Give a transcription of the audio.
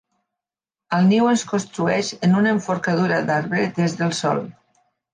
El niu es construeix en una enforcadura d'arbre des del sòl.